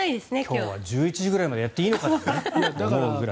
今日は１１時ぐらいまでやっていいのかと思うぐらい。